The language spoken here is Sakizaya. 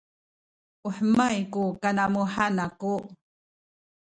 u hemay ku kanamuhan aku